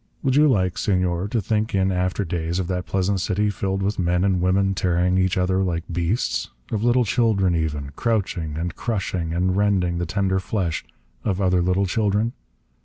Would you like, Senor, to think in after days of that pleasant city filled with men and women tearing each other like beasts? Of little children, even, crouching, and crushing and rending the tender flesh of other little children?